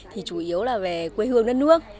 thì chủ yếu là về quê hương đất nước